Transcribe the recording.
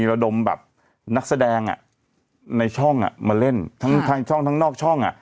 มีระดมแบบนักแสดงอ่ะในช่องอ่ะมาเล่นทั้งทางช่องทั้งนอกช่องอ่ะ